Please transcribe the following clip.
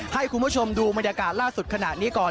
ให้คุณผู้ชมดูบรรยากาศล่าสุดขณะนี้ก่อน